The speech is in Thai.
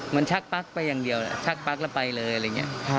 มันชักปั๊กไปอย่างเดียวชักปั๊กแล้วไปเลยอะไรอย่างนี้